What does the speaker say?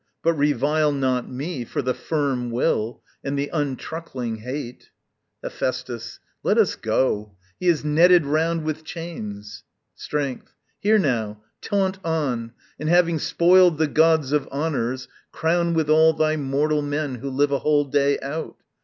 but revile not me For the firm will and the untruckling hate. Hephæstus. Let us go. He is netted round with chains. Strength. Here, now, taunt on! and having spoiled the gods Of honours, crown withal thy mortal men Who live a whole day out.